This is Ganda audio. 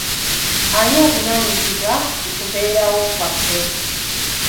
Ani avunaanyizibwa ku kubeerawo kwaffe?